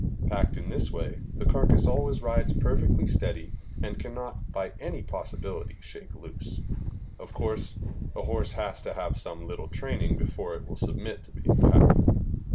Packed in this way, the carcass always rides perfectly steady, and can not, by any possibility, shake loose. Of course, a horse has to have some little training before it will submit to being packed.